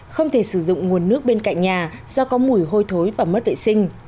không thể sử dụng nguồn nước bên cạnh nhà do có mùi hôi thối và mất vệ sinh